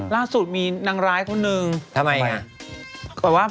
ล่าสุดมีนางร้ายคนนึงทำไมคะทำไมคะ